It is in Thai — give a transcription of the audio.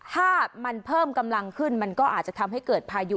ถ้ามันเพิ่มกำลังขึ้นมันก็อาจจะทำให้เกิดพายุ